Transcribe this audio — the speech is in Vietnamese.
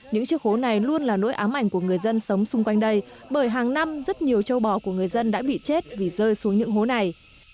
những chiếc hố này luôn là nỗi ám ảnh của người dân sống xung quanh đây bởi hàng năm rất nhiều châu bò của người dân đã bị chết vì rơi xuống những hố này